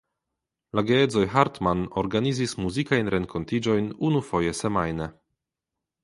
La geedzoj Hartmann organizis muzikajn renkontiĝojn unufoje semajne.